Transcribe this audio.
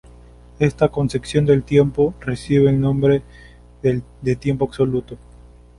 Esta concepción del tiempo recibe el nombre de tiempo absoluto.